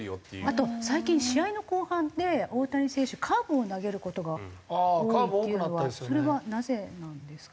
あと最近試合の後半で大谷選手カーブを投げる事が多いっていうのはそれはなぜなんですか？